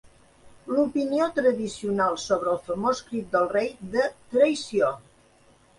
L'opinió tradicional sobre el famós crit del rei de "traïció!".